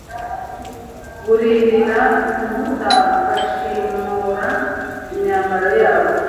buririra ku nkuta, bashishimura imyambaro yabo